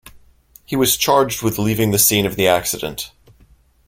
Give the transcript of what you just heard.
He was charged with leaving the scene of the accident.